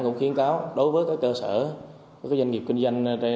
cũng khuyến cáo đối với các cơ sở doanh nghiệp kinh doanh